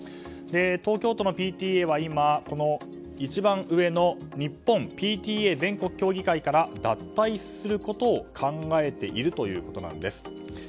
東京都のＰＴＡは今、一番上の日本ＰＴＡ全国協議会から脱退することを考えているということなんです。